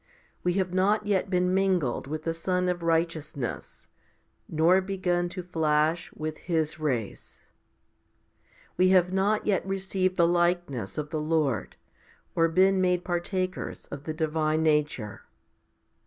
5 We have not yet been mingled with the sun of righteousness? nor begun to flash with His rays. We have not yet received the likeness of the Lord nor been made partakers of the divine nature.